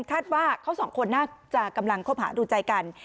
คาดว่าเขาสองคนน่าจะกำลังคบหาดูใจกัน